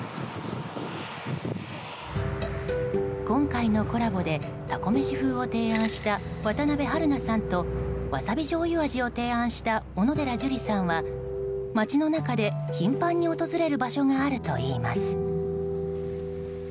今回のコラボでたこめし風を提案した渡邊晴南さんとわさび醤油味を提案した小野寺樹莉さんは町の中で頻繁に訪れる場所があるといいます。